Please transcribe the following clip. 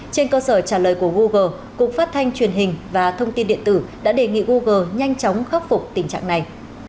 trên cơ sở trả lời của google cục phát thanh truyền hình và thông tin điện tử đã đề nghị google nhanh chóng khắc phục tình trạng này